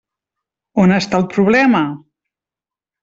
On està el problema?